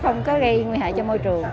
không có gây nguy hại cho môi trường